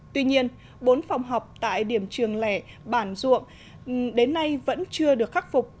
tuy nhiên bốn phòng học tại điểm trường lẻ bản duộng đến nay vẫn chưa được khắc phục